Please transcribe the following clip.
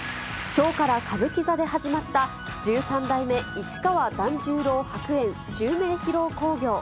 きょうから歌舞伎座で始まった十三代目市川團十郎白猿襲名披露興行。